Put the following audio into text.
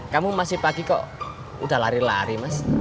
kamu masih pagi kok udah lari lari mas